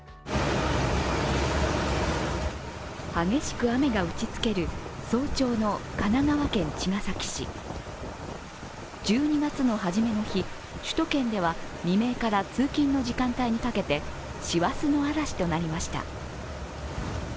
激しく雨が打ちつける早朝の神奈川県茅ヶ崎市。１２月の初めの日、首都圏では未明から通勤の時間帯にかけて師走の嵐となりました。